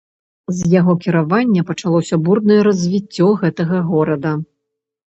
З яго кіравання пачалося бурнае развіццё гэтага горада.